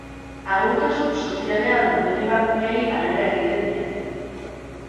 Ahultasun sozialean dauden emakumeei harrera egiten diete.